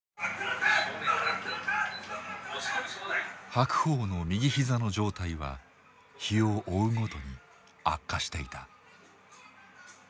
白鵬の右膝の状態は日を追うごとに悪化していた。